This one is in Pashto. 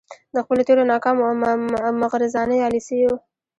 د خپلو تیرو ناکامو او مغرضانه يالیسیو